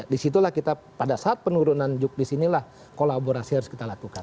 di situlah kita pada saat penurunan yuknis inilah kolaborasi harus kita lakukan